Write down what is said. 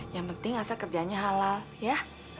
yang penting asal kerjanya halal ya